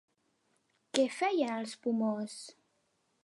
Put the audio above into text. Què feien els Pomors?